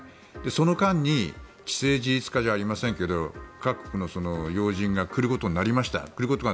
その間に既成事実化じゃありませんけど各国の要人が来ることになりました